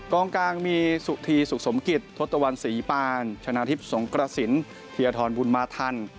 กลางกลางมีสุธีสุขสมกิจทศตวรรณศรีปานชนะทิพย์สงกระสินธีรทรบุญมาทัน